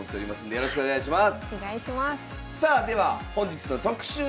よろしくお願いします。